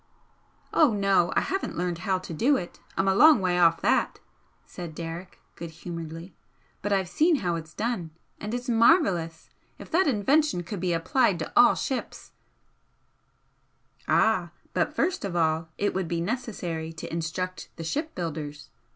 "Oh no, I haven't learned how to do it, I'm a long way off that!" said Derrick, good humouredly "But I've seen how it's done. And it's marvellous! If that invention could be applied to all ships " "Ah! but first of all it would be necessary to instruct the shipbuilders!"